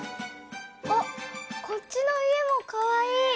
あっこっちの家もかわいい！